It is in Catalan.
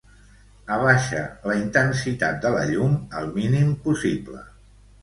Abaixa la intensitat de la llum al mínim possible.